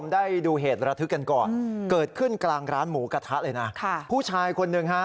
ได้ดูเหตุระทึกกันก่อนเกิดขึ้นกลางร้านหมูกระทะเลยนะค่ะผู้ชายคนหนึ่งฮะ